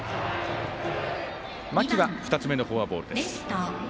間木は２つ目のフォアボールです。